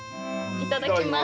いただきます。